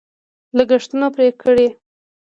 لګښتونه پرې کړي.